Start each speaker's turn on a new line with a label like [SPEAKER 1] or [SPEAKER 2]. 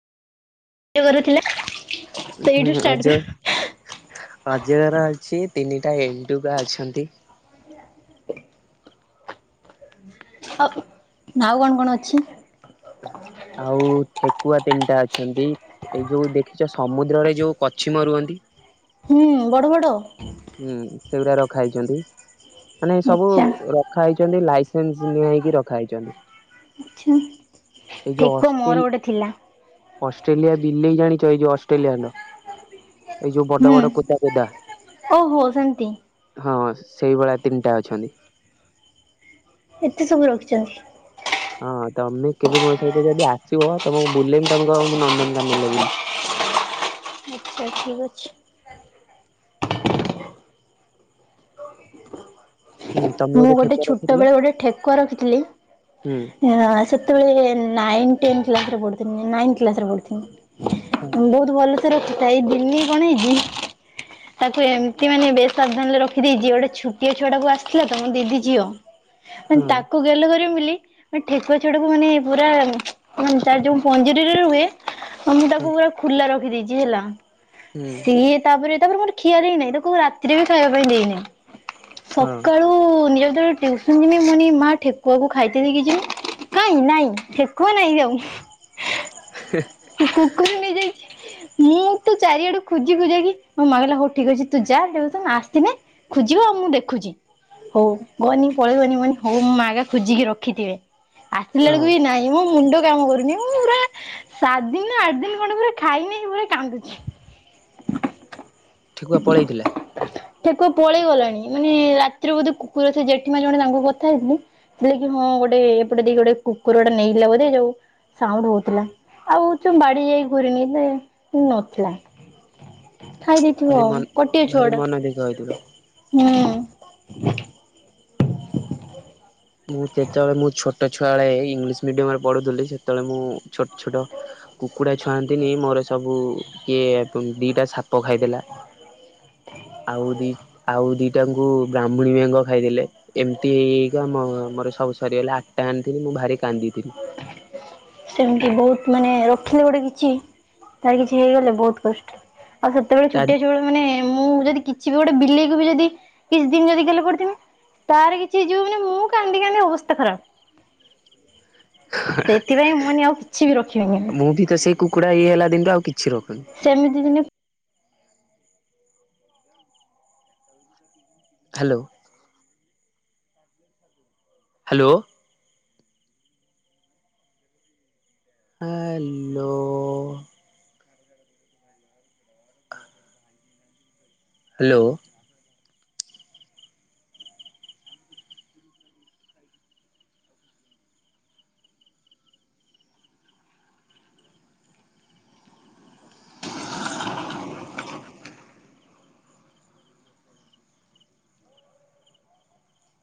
[SPEAKER 1] ଇଏ କରୁଥିଲେ।
[SPEAKER 2] ହୁଁ ଆଜ ଅଜଗର ଅଛି। ତିନିଟା ଏଣ୍ଣ୍ଡୁଗା ଅଛନ୍ତି।
[SPEAKER 1] ଆଉ ନାଉ କଣ କଣ ଅଛି।
[SPEAKER 2] ଆଉ ଠେକୁଆ ତିନିଟା ଅଛନ୍ତି ଏଇ ଯୋଉ ଦେଖିଛ ସମୁଦ୍ରରେ ଯୋଉ କଛିମ ରୁହନ୍ତି।
[SPEAKER 1] ହୁଁ ବଡ ବଡ।
[SPEAKER 2] ହୁଁ ସେଗୁଡା ରଖା ହେଇଛନ୍ତି। ମାନେ ସବୁ
[SPEAKER 1] ଆଚ୍ଛା
[SPEAKER 2] ରଖା ହେଇଛନ୍ତି ଲାଇ ନି [unintelligible] ହେଇକି ରଖା ହେଇଛନ୍ତି। ଏଇ ଯୋଉ
[SPEAKER 1] ଠେକୁଆ
[SPEAKER 2] ଅଷ୍ଟ୍ରେ
[SPEAKER 1] ମୋର ଗୋଟେ ଥିଲା
[SPEAKER 2] ଅଷ୍ଟ୍ରେଲିଆ ବିଲେଇ ଜାଣିଛ ଏଇ ଯ ଅଷ୍ଟ୍ରେଲିଆଣ୍ଡ। ଏଇ ଯୋଉ ବଡ ବଡ କୋଦା କୋଦା
[SPEAKER 1] ଶନ୍ତି
[SPEAKER 2] ହଁ ସେଇଭଳିଆ ତିନିଟା ଅଛନ୍ତି।
[SPEAKER 1] ଏତେ ସବୁ ରଖିଛନ୍ତି।
[SPEAKER 2] ହଁ ତମେ କେବେ ମୋ ସହିତ ଯଦି ଆସିବ ତମକୁ ବୁଲେେଇମି ତମକୁ ନନ୍ଦନକାନନଲେ ବୁଲି
[SPEAKER 1] ଆଚ୍ଛା ଠିକ ଅଛି।
[SPEAKER 2] ହୁଁ ତମେ
[SPEAKER 1] ମୁଁ ଗୋଟେ
[SPEAKER 2] ଠେକୁଆ
[SPEAKER 1] ଛୋଟ
[SPEAKER 2] ରଖିଥିଲ
[SPEAKER 1] ବେଳେ ଗୋଟେ ଠେକ ରଖି ଥିଲି।
[SPEAKER 2] ହୁଁ
[SPEAKER 1] ହଁ ସତ ସେତେବେଳେ ନାଇଁନ୍ ଟେନ୍ କ୍ଲାସରେ ପଢୁ ଥିଲି ନାଇନି କ୍ଲାସ୍ ରେ ପଢ଼ୁଥିଲି।
[SPEAKER 2] ହଁ
[SPEAKER 1] ବହୁତ ଭଲ ରଖିଥା ଏଇ ଦିନି କଣ ହେଇଛି ତାକୁ ଏମିତି ମାନେ ବେଶ ସାବଧାନ ରେ ରଖିଦେଇଛି ଗୋଟେ ଛୋଟିଆ ଛୁଆ ଟାକୁ ଆସି ଥିଲା ତମ ଦିଦି ଝିଅ ମାନେ
[SPEAKER 2] ହଁ
[SPEAKER 1] ତାକୁ ଗେଲେ କରି ମିଲି ମ ଠେକୁଆ ଛୁଡାକୁ ମାନେ ପୁରା ହଁ ତାର ଯୋଉ ପଞ୍ଜୁରୀରେ ରୁହେ ମୁଁ ତାକୁ ପୁରା ଖୋଲା ରଖିଦେଇଛି। ଆଜି ହେଲା।
[SPEAKER 2] ହୁଁ।
[SPEAKER 1] ସିଏ ତାପରେ ତାପରେ ଖିଆ ଦେଇନାହିଁ ତାକୁ ରାତିରେ ବି ଖାଇବା ପାଇଁ ଦେଇନାହିଁ।
[SPEAKER 2] ହଁ।
[SPEAKER 1] [unintelligible] ମା ଠେକୁଆକୁ ଖାଇତକି ଯ କାଇଁ ନାଇଁ ଠେକୁଆ ନାଇଁ ଯାଉ। କୁକୁର ନେଇଯାଇଛି।
[SPEAKER 2] [unintelligible]
[SPEAKER 1] ମୁଁ ତୁ ଚାରିଆଡୁ ଖୋଜି ଖୋଜାଇକି ମୋ ମା କହିଲା ହଉ ଠିକ ଅଛି ତୁ ଯା ଦେ ଆସିନେ ଖୋଜିବୁ ଆଉ ମୁଁ ଦେଖୁଛି। ହଉ ଗହନି ପଳେଇବନି ଗନି ହଉ ମୁଁ ମା ଆଗା ଖୋଜିକି ରଖିଥିବେ। ଆସିଲା
[SPEAKER 2] ହଁ
[SPEAKER 1] ବେଳକୁ ବି ନାଇଁ ମୋ ମୁଣ୍ଡ। କାମ କରୁନି ମୁଁ ପୁରା ସାତ ଦିନ ଆଠ ଦିନ ଖଣ୍ଡେ ପୁରା ଖାଇନି ପୁରା କାନ୍ଦୁଛି।
[SPEAKER 2] ଠେକୁଆ ପଳେଇଥିଲା।
[SPEAKER 1] ଠେକୁଆ ପଳେଇ ଗଲାଣି ମାନେ ରା। ତୀ ରେ ବୋଧେ କୁକୁର ସେ ଜେଠିମା ଜଣେ ତାଙ୍କୁ କଥା ହେଇଥିଲି ଥିଲେ କି ହଁ ଗୋଟେ ଏପଟେ ଦେଇକ ଗୋଟେ କୁକୁରଟା ନେଇଲା ବୋଧେ ଯୋଉ ସାଉଣ୍ଡ ହଉଥିଲା ଆଉ ଯୋଉ ବାଡି ଯାଇକ ଘୁରିନି ନଥିଲା। ଖାଇ ଦେଇଥିବ
[SPEAKER 2] ଭାରି
[SPEAKER 1] ଆଉ
[SPEAKER 2] ମନ ଭାରି ମନ ଦୁଃଖ ହେଇଥିବ।
[SPEAKER 1] ହଁ। [unintelligible]
[SPEAKER 2] ମୁଁ ଯେତେବେଳେ ମୁଁ ଛୋଟ ଛୁଆବେଳେ ଇଂଲିଶ ମିଡିୟମ ରେ ପଢୁଥିଲି ସେତେବେଳେ ମୁଁ ଛୋଟ ଛୋଟ କୁକୁଡ଼ା ଛୁଆନ୍ତିନି ମୋର ସବୁ କିଏ ଦିଟା ସା। ପକାଇଦେଲା ଆଉ ରି ଆଉ ରି। ତାଙ୍କୁ ବ୍ରାହ୍ମୁନୀ ବେଙ୍ଗ ଖାଇଦେଲେ ଏମିତିଇ। ମୋର ସବୁ ସରିଗଲା ଆଠଟା ଆଣିଥିଲି ମୁଁ ଭାରି କାନ୍ଦିଥିଲି।
[SPEAKER 1] ସେମତି ବହୁତ ମାନେ ରଖିଲେ ଗୋଟେ କିଛି ତାର କିଛି ହେଇଗଲେ ବହୁତ କଷ୍ଟ। ଆଉ ସେତେବେଳେ
[SPEAKER 2] ତା
[SPEAKER 1] ଛୁଟିଆ ଛୁଆ ବେଳେ ମାନେ ମୁଁ ଯଦି କି। ଛି ବି ଗୋଟେ ବିଲେଇକୁ ବି ଯଦି କିଛି ଦିନ ଯଦି ଗଲେ ପଡଥିବେ ତାର କିଛି ଯିବ ମାନେ ମୁଁ କାନ୍ଦି କାନ୍ଦି ଅବସ୍ଥା ଖରାପ। ସେଥିପାଇଁ ମୁଁ ମାନେ ଆଉ କିଛି ବି ରଖିବିନି।
[SPEAKER 2] ମୁଁ ବି ତ ସେଇ କୁକୁଡା ଇଏ ହେଲା ଦିନଠୁ ଆଉ କିଛି। ରଖୁନି।
[SPEAKER 1] ସେମିତି ଦିନେ।
[SPEAKER 2] ହ୍ୟାଲୋ। ହ୍ୟାଲୋ। ହ୍ୟାଲୋ। ହ୍ୟାଲୋ।